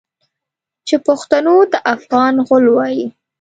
چې پښتنو ته افغان غول وايي.